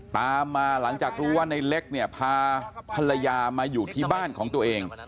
ตามมาหลังจากรู้ว่าในเล็กเนี่ยพาภรรยามาอยู่ที่บ้านของตัวเอง